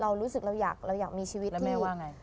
เรารู้สึกเราอยากมีชีวิตที่